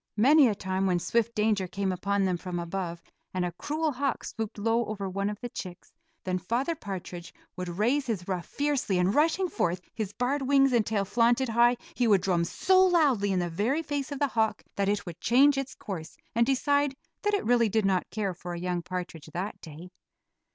Many a time when swift danger came upon them from above, and a cruel hawk swooped low after one of the chicks, then Father Partridge would raise his ruff fiercely and rushing forth, his barred wings and tail flaunted high, he would drum so loudly in the very face of the hawk that it would change its course and decide that it really did not care for a young partridge that day.